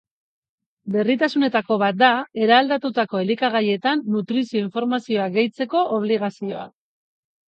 Berritasunetako bat da eraldatutako elikagaietan nutrizio-informazioa gehitzeko obligazioa.